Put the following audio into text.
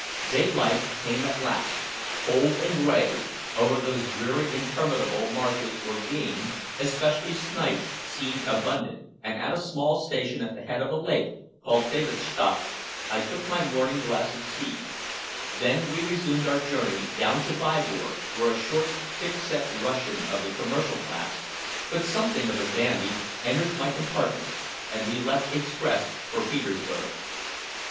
Daylight came at last, cold and gray, over those dreary interminable marshes where game, especially snipe, seemed abundant, and at a small station at the head of a lake called Davidstadt I took my morning glass of tea; then we resumed our journey down to Viborg, where a short, thick set Russian of the commercial class, but something of a dandy, entered my compartment, and we left express for Petersburg.